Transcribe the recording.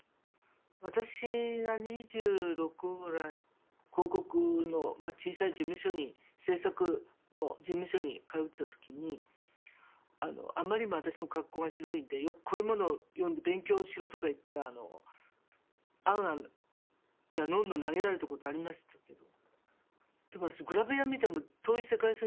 私が２６ぐらい広告の小さい事務所に制作の事務所に通ってた時にあまりにも私の格好がひどいんでよくこういうものを読んで勉強しろとかいって「ａｎ・ａｎ」や「ｎｏｎ−ｎｏ」投げられたことありましたけど。